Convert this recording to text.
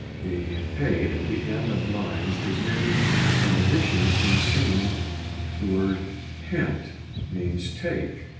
The a at the end of lines is merely an addition in singing; the word hent means take.